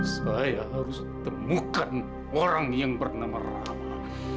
saya harus temukan orang yang bernama rama